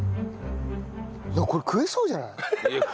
これ食えそうじゃない？